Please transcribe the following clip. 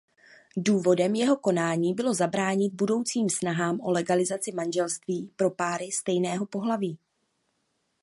Důvodem jeho konání bylo zabránit budoucím snahám o legalizaci manželství pro páry stejného pohlaví.